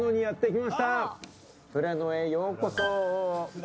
富良野へようこそ！